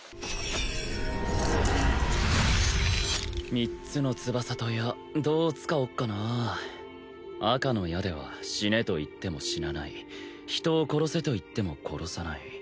３つの翼と矢どう使おっかな赤の矢では死ねと言っても死なない人を殺せと言っても殺さない